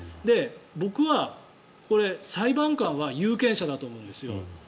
僕はこれ、裁判官は有権者だと思うんですよ。